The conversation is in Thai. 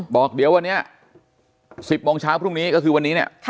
บอกเดี๋ยววันนี้๑๐โมงเช้าพรุ่งนี้ก็คือวันนี้เนี่ย